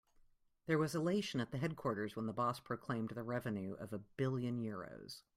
There was elation at the headquarters when the boss proclaimed the revenue of a billion euros.